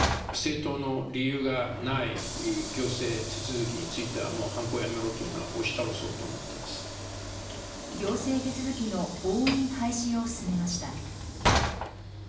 正当の理由がない行政手続きについてはもうはんこやめろとい行政手続きの押印廃止を進めました。